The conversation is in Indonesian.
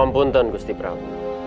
ampun tuan gusti pramu